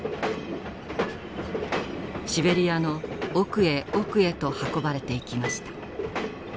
シベリアの奥へ奥へと運ばれていきました。